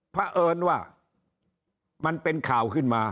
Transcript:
เพราะเอิญว่ามันเป็นข่าวขึ้นมา